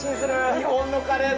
日本のカレーだ。